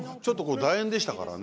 だ円でしたからね。